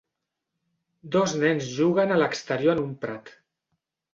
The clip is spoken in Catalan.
Dos nens juguen a l'exterior en un prat.